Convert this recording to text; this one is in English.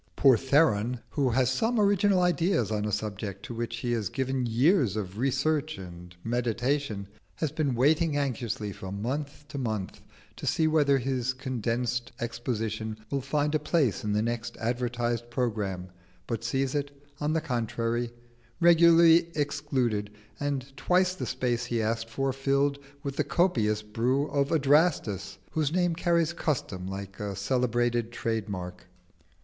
Poor Theron, who has some original ideas on a subject to which he has given years of research and meditation, has been waiting anxiously from month to month to see whether his condensed exposition will find a place in the next advertised programme, but sees it, on the contrary, regularly excluded, and twice the space he asked for filled with the copious brew of Adrastus, whose name carries custom like a celebrated trade mark.